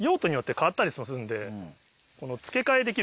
変わったりするんで。